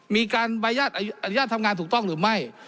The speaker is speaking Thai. มีการใบอนุญาตทำงานถูกต้องหรือไม่